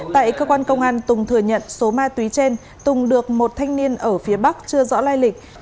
tại cơ quan công an tùng thừa nhận số ma túy trên tùng được một thanh niên ở phía bắc chưa rõ lai lịch